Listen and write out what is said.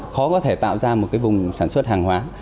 khó có thể tạo ra một cái vùng sản xuất hàng hóa